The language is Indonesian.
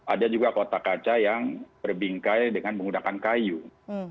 ada juga kotak kaca yang berbingkai dengan menggunakan kayu